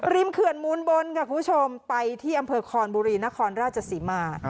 ริมเขวิ่นมูลบลเขากับคุณผู้ชมไปที่อำเภอคอนบูรีนคอนราชสิมา